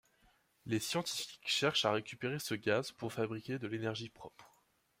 Les scientifiques cherchent à récupérer ce gaz pour fabriquer de l'énergie propre.